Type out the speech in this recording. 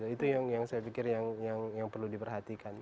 itu yang saya pikir yang perlu diperhatikan